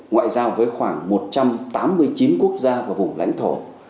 ngoại giao với khoảng một trăm tám mươi chín quốc gia và vùng lãnh thổ